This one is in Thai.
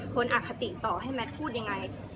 คนอคติต่อให้แมทพูดยังไง